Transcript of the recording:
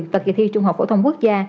và kỳ thi trung học phổ thông quốc gia